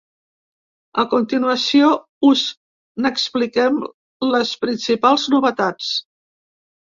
A continuació us n’expliquem les principals novetats.